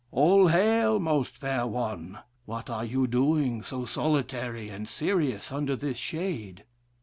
All hail, most fair one, what are you doing so solitary and serious under this shade?